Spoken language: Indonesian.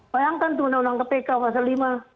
bayangkan tuh undang undang kpk fasa v